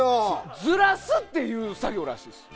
ずらすっていう作業らしいですよ。